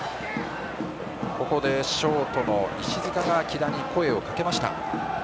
ここでショートの石塚が木田に声をかけました。